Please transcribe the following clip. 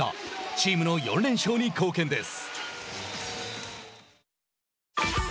チームの４連勝に貢献です。